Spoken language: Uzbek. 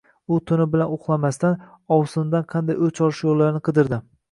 U tuni bilan uxlamasdan, ovsinidan qanday o`ch olish yo`llarini qidirdi